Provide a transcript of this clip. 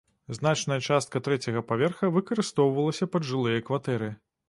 Значная частка трэцяга паверха выкарыстоўвалася пад жылыя кватэры.